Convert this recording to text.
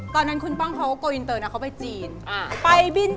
ตอนนั้นคุณป้องเขาโกอินเตอร์นะเขาไปจีน